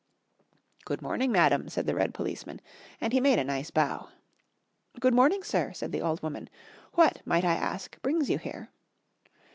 ] "Good morning, madam," said the red policeman, and he made a nice bow. "Good morning, sir," said the old woman. "What, might I ask, brings you here?"